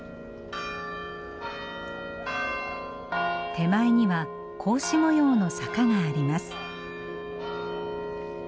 手前には格子模様の坂があります。